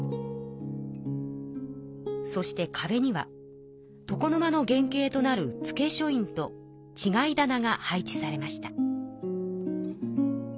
そしてかべにはとこのまの原型となる付書院とちがい棚が配置されました。